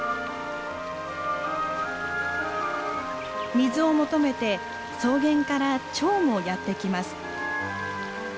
水を求めて草原からチョウもやって来ます。